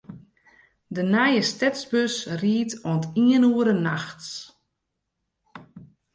De nije stedsbus rydt oant iene oere nachts.